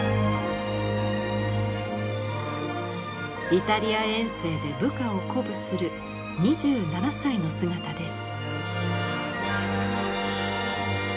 イタリア遠征で部下を鼓舞する２７歳の姿です。